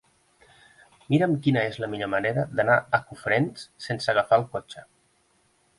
Mira'm quina és la millor manera d'anar a Cofrents sense agafar el cotxe.